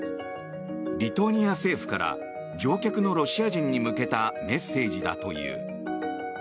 リトアニア政府から乗客のロシア人に向けたメッセージだという。